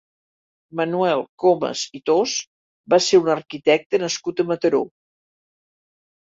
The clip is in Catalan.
Manuel Comas i Thos va ser un arquitecte nascut a Mataró.